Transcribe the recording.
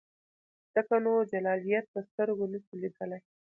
ځکه نو جلالیت په سترګو نسې لیدلای.